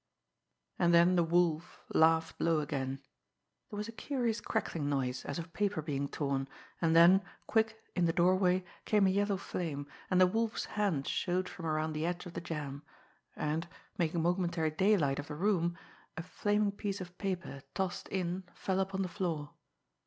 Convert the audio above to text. And then the Wolf laughed low again. There was a curious crackling noise, as of paper being torn and then, quick, in the doorway, came a yellow flame, and the Wolf's hand showed from around the edge of the jamb, and, making momentary daylight of the room, a flaming piece of paper, tossed in, fell upon the floor.